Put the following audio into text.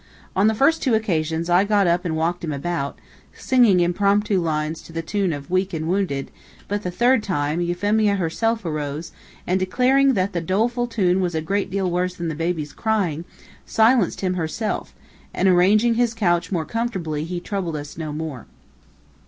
On the first two occasions, I got up and walked him about, singing impromptu lines to the tune of "weak and wounded," but the third time, Euphemia herself arose, and declaring that that doleful tune was a great deal worse than the baby's crying, silenced him herself, and arranging his couch more comfortably, he troubled us no more.